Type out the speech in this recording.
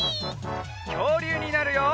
きょうりゅうになるよ！